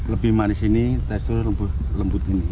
lebih manis ini tekstur lembut ini